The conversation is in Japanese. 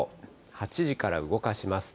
８時から動かします。